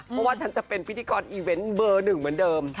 เพราะว่าฉันจะเป็นพิธีกรอีเวนต์เบอร์หนึ่งเหมือนเดิม